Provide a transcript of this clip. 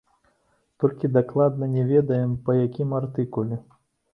Толькі дакладна не ведаем, па якім артыкуле.